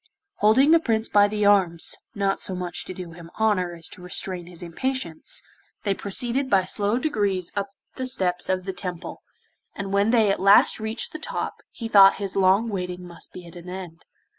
Holding the Prince by the arms, not so much to do him honour as to restrain his impatience, they proceeded by slow degrees up the steps of the Temple, and when they at last reached the top he thought his long waiting must be at an end.